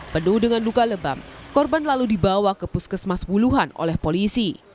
penuh dengan luka lebam korban lalu dibawa ke puskesmas wuhan oleh polisi